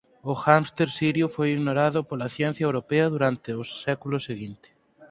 O hámster sirio foi ignorado pola ciencia europea durante século seguinte.